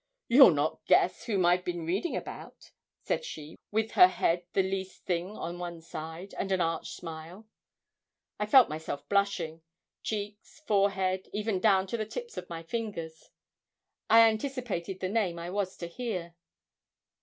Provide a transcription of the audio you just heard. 'You'll not guess whom I've been reading about,' said she, with her head the least thing on one side, and an arch smile. I felt myself blushing cheeks, forehead, even down to the tips of my fingers. I anticipated the name I was to hear.